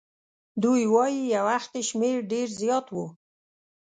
دوی وایي یو وخت یې شمیر ډېر زیات وو.